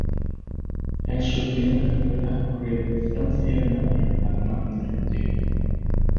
En sus primeras carreras corrió por Francia y Alemania, además de en Argentina.